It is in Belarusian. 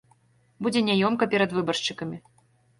Будзе няёмка перад выбаршчыкамі.